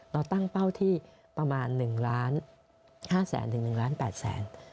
เราตั้งเป้าที่ประมาณหนึ่งล้านห้าแสนถึงหนึ่งล้านแปดแสน